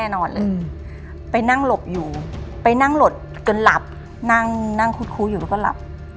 นั่งคุ้นอยู่แล้วก็หลับ